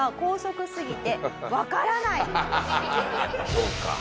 そうか。